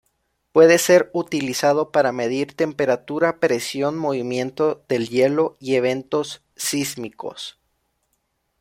Puede ser utilizado para medir temperatura, presión, movimiento del hielo, y eventos sísmicos.